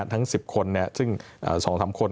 ทั้ง๑๐คนซึ่ง๒๓คน